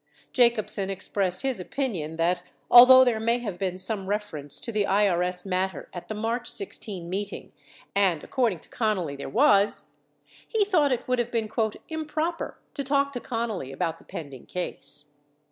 Jacobsen expressed his opin ion that, although there may have been some reference to the IRS matter at the March 16 meeting — and, according to Connally, there was — he thought it would have been "improper" to talk to Connally about the pending case.